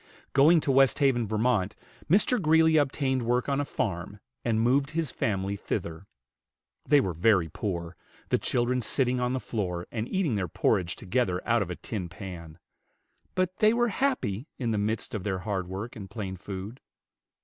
Going to Westhaven, Vt., Mr. Greeley obtained work on a farm, and moved his family thither. They were very poor, the children sitting on the floor and eating their porridge together out of a tin pan; but they were happy in the midst of their hard work and plain food.